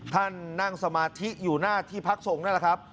ท่านนั่งสมาธิอยู่หน้าที่พักสงษ์